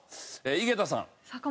井桁さん。